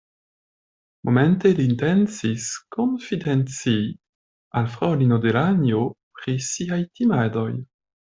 Momente li intencis konfidencii al fraŭlino Delanjo pri siaj timadoj.